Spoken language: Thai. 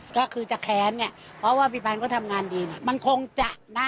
ก็คือจะแขนนี่เพราะว่าพี่ปันก็ทำงานดีมันคงจะนะ